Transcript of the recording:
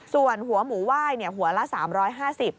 ส่วนหัวหมูไหว้หัวละ๓๕๐บาท